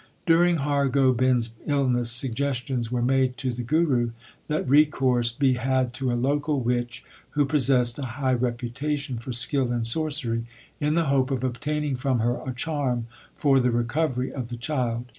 1 During Har Gobind s illness suggestions were made to the Guru that recourse be had to a local witch who possessed a high reputation for skill in sorcery, in the hope of obtaining from her a charm for the recovery of the child.